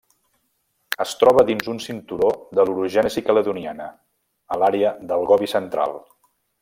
Es troba dins un cinturó de l'orogènesi caledoniana, a l'àrea del Gobi Central.